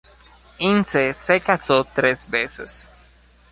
Ince se casó tres veces.